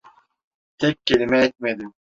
Tek kelime etmedim.